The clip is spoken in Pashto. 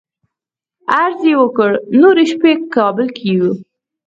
عرض یې وکړ نورې شپې کابل کې یو.